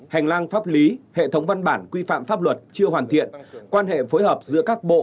hành lang pháp lý hệ thống văn bản quy phạm pháp luật chưa hoàn thiện quan hệ phối hợp giữa các bộ